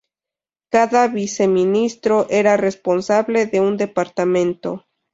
Cada viceministro era responsable de un departamento.